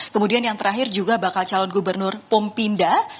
kemudian yang terakhir juga bakal calon gubernur pompinda